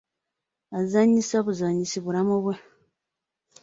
Azannyisa buzannyisa bulamu bwe.